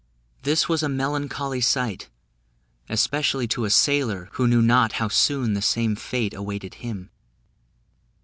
This was a melancholy sight, especially to a sailor, who knew not how soon the same fate awaited him.